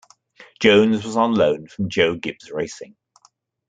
Jones was on loan from Joe Gibbs Racing.